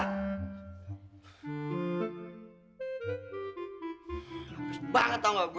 lepas banget tau gak gue